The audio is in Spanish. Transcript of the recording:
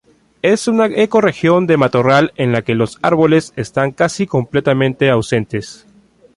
Es una ecorregión de matorral en la que los árboles están casi completamente ausentes.